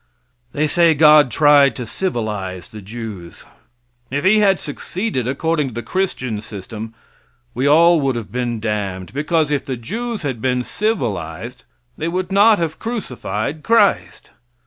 They say God tried to civilize the Jews. If He had succeeded, according to the Christian system, we all would have been damned, because if the Jews had been civilized they would not have crucified Christ.